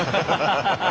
ハハハハハ。